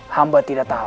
hamba tidak tahu